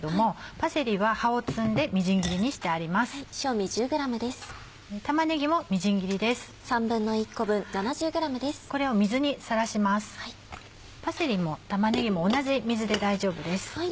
パセリも玉ねぎも同じ水で大丈夫です。